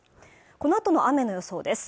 このあとの雨の予想です